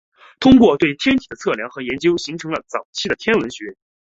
通过对天体的测量和研究形成了早期的天文学。